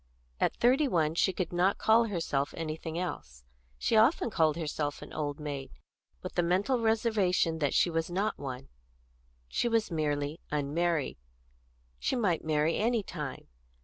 At thirty one she could not call herself anything else; she often called herself an old maid, with the mental reservation that she was not one. She was merely unmarried; she might marry any time.